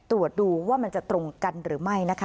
ตรวจดูว่ามันจะตรงกันหรือไม่นะคะ